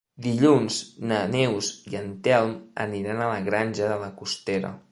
Dilluns na Neus i en Telm aniran a la Granja de la Costera.